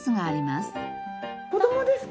子供ですか？